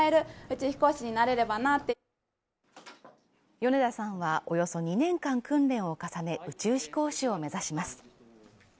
米田さんは、およそ２年間訓練を重ね、宇宙飛行士を目指します。